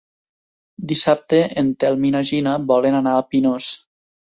Dissabte en Telm i na Gina volen anar a Pinós.